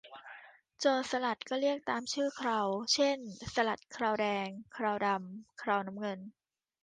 โจรสลัดก็เรียกตามชื่อเครา เช่นสลัดเคราแดง เคราดำ เคราน้ำเงิน